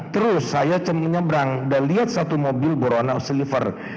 terus saya menyebrang dan lihat satu mobil borona sliver